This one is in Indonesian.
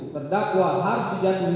terdakwa harus dijanjikan